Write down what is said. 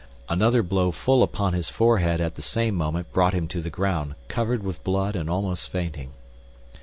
Another blow full upon his forehead at the same moment brought him to the ground, covered with blood and almost fainting.